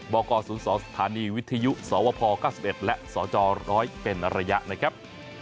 บก๐๒สถานีวิทยุสวพ๙๑และสจ๑๐๐เป็นระยะนะครับ